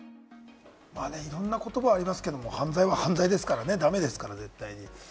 いろんな言葉ありますけれど、犯罪は犯罪ですからね、ダメですから絶対に。